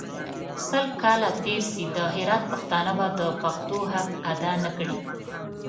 سل کاله تېر سي د هرات پښتانه به د پښتو حق اداء نکړي.